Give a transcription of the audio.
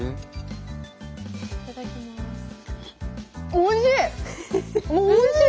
おいしい！